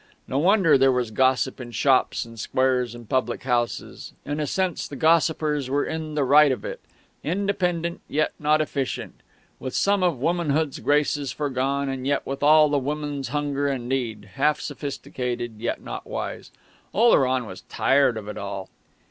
No wonder there was gossip in shops and squares and public houses! In a sense the gossipers were in the right of it. Independent, yet not efficient; with some of womanhood's graces forgone, and yet with all the woman's hunger and need; half sophisticated, yet not wise; Oleron was tired of it all....